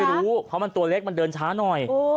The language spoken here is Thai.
รู้เพราะมันตัวเล็กมันเดินช้าหน่อย